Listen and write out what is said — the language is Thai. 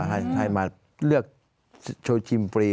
ก็ให้มาเลือกชมฟรี